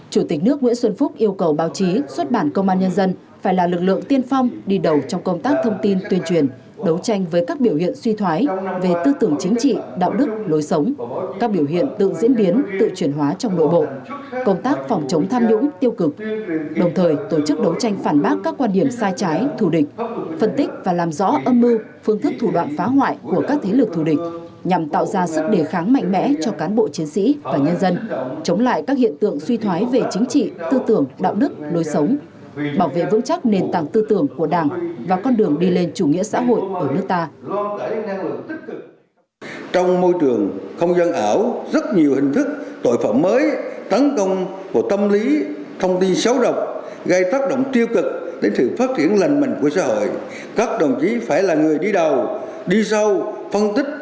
chủ tịch nước nguyễn xuân phúc yêu cầu báo chí xuất bản công an nhân dân phải là lực lượng tiên phong đi đầu trong công tác thông tin tuyên truyền đấu tranh với các biểu hiện suy thoái về tư tưởng chính trị đạo đức lối sống các biểu hiện tự diễn biến tự truyền hóa trong nội bộ công tác phòng chống tham nhũng tiêu cực đồng thời tổ chức đấu tranh phản bác các quan điểm sai trái thù địch phân tích và làm rõ âm mưu phân tích và làm rõ âm mưu phân tích và làm rõ âm mưu phân tích và làm rõ âm mưu phân tích